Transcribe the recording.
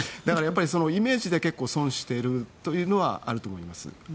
だからイメージで損しているというのはあると思います。